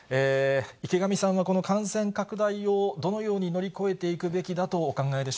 池上さんはこの感染拡大をどのように乗り越えていくべきだとお考